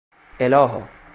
اِلها